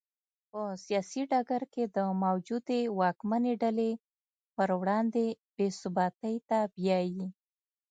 په سیاسي ډګر کې د موجودې واکمنې ډلې پر وړاندې بې ثباتۍ ته بیايي.